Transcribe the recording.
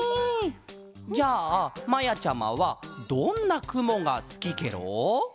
じゃあまやちゃまはどんなくもがすきケロ？